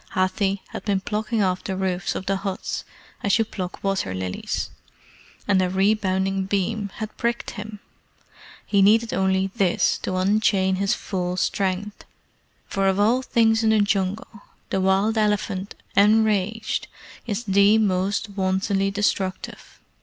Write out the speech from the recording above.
Hathi had been plucking off the roofs of the huts as you pluck water lilies, and a rebounding beam had pricked him. He needed only this to unchain his full strength, for of all things in the Jungle the wild elephant enraged is the most wantonly destructive.